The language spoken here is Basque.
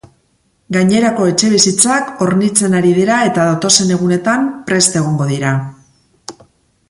Gainerako etxebizitzak hornitzen ari dira eta datozen egunetan prest egongo dira.